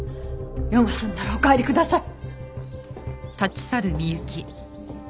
用が済んだらお帰りください。